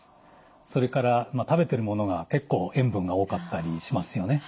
それから食べてるものが結構塩分が多かったりしますよね。